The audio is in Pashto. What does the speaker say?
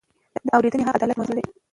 د اورېدنې حق د عدالت مهم اصل دی.